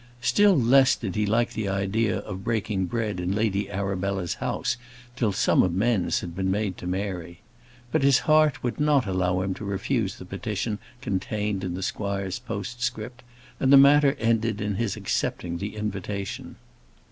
Still less did he like the idea of breaking bread in Lady Arabella's house till some amends had been made to Mary. But his heart would not allow him to refuse the petition contained in the squire's postscript, and the matter ended in his accepting the invitation.